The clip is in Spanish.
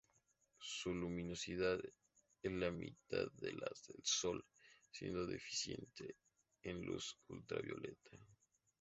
Su luminosidad es la mitad de la del Sol, siendo deficiente en luz ultravioleta.